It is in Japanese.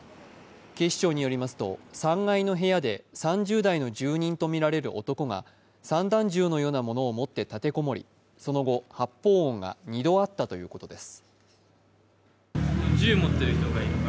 警視庁によりますと３階の部屋で３０代の住人とみられる男が散弾銃のようなものを持って立て籠もり、その後、発砲音が２度あったということです。